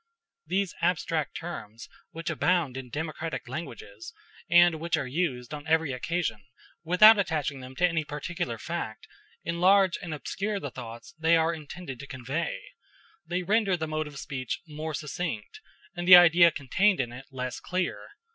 These abstract terms which abound in democratic languages, and which are used on every occasion without attaching them to any particular fact, enlarge and obscure the thoughts they are intended to convey; they render the mode of speech more succinct, and the idea contained in it less clear.